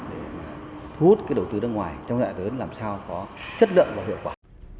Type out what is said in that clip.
để thu hút đầu tư nước ngoài trong dạng tướng làm sao có chất lượng và hiệu quả